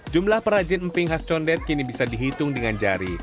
jumlah perajin emping khas condet kini bisa dihitung dengan jari